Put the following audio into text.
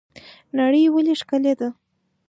نړۍ ولې ښکلې ده؟